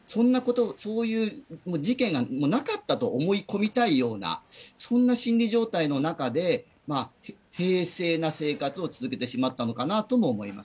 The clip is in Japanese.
そういう事件がなかったと思い込みたいような、そんな心理状態の中で、平静な生活を続けてしまったのかなとも思います。